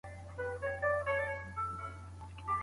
آیا په مجازي زده کړه کي د حضوري ټولګیو نظم شتون لري؟